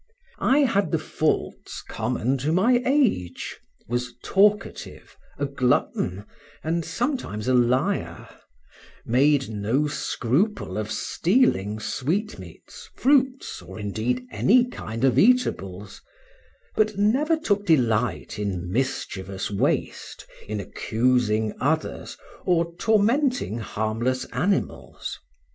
I had the faults common to my age, was talkative, a glutton, and sometimes a liar, made no scruple of stealing sweetmeats, fruits, or, indeed, any kind of eatables; but never took delight in mischievous waste, in accusing others, or tormenting harmless animals.